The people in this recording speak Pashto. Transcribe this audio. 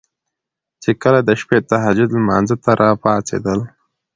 چې کله د شپې تهجد لمانځه ته را پاڅيدل